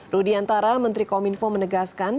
rudi antara menteri kom info menegaskan